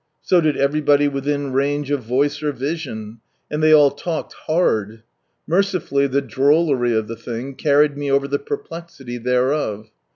So did everybody within range of voice or vision. And they all talked hard. Mercifully the drollery of the thing, carried me over the perplexity thereof.